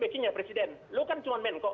bikin ya presiden lo kan cuma menko